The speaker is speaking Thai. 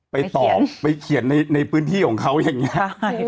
ไปตอบไปเขียนในพื้นที่ของเขาอย่างนี้